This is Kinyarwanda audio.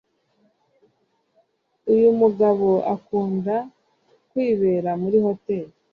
Uyumugabo akunda kwibera muri hoteli